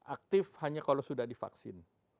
aktif hanya kalau sudah divaksin